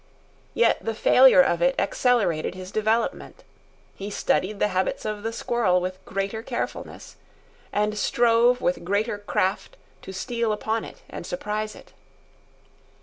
Yet the failure of it accelerated his development. He studied the habits of the squirrel with greater carefulness, and strove with greater craft to steal upon it and surprise it.